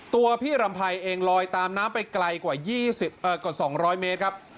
ตัวพี่รำไพรเองลอยตามน้ำไปไกลกว่า๒๐๐เมตรครับ